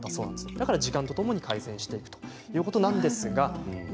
だから時間とともに改善していくということですね。